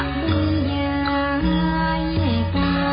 ทรงเป็นน้ำของเรา